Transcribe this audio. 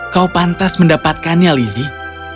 kau pantas mendapatkannya lizzie